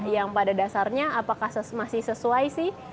yang pada dasarnya apakah masih sesuai sih